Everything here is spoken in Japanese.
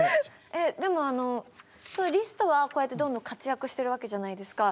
でもリストはこうやってどんどん活躍してるわけじゃないですか。